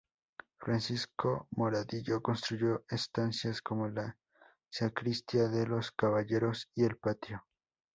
Francisco Moradillo construyó estancias como la Sacristía de los Caballeros y el patio.